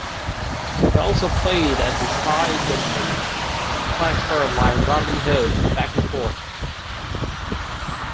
He also played a decidedly Flashheart-like Robin Hood in "Back and Forth".